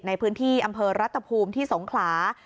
ในพื้นที่อำเภอรัตภูมิที่สงขลา